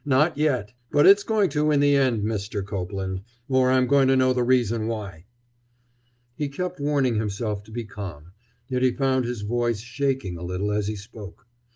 "Not yet! But it's going to, in the end, Mr. Copeland, or I'm going to know the reason why!" He kept warning himself to be calm, yet he found his voice shaking a little as he spoke.